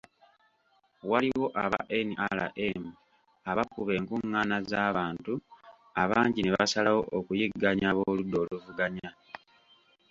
Waliwo aba NRM abakuba enkung'aana z'abantu abangi ne basalawo okuyigganya ab'oludda oluvuganya.